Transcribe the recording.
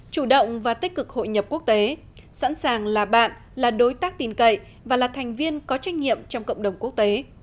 chủ động và tích cực hội nhập quốc tế sẵn sàng là bạn là đối tác tin cậy và là thành viên có trách nhiệm trong cộng đồng quốc tế